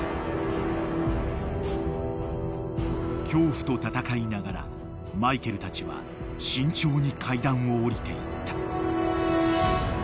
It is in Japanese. ［恐怖と闘いながらマイケルたちは慎重に階段を下りていった］